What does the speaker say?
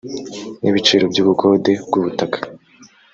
n ibiciro by ubukode bw ubutaka